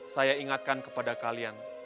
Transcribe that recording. saya ingatkan kepada kalian